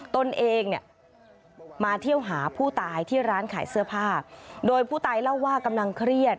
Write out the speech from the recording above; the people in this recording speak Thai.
ตนเองเนี่ยมาเที่ยวหาผู้ตายที่ร้านขายเสื้อผ้าโดยผู้ตายเล่าว่ากำลังเครียด